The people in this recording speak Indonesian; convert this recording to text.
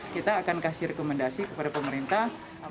kita akan kasih rekomendasi kepada pemerintah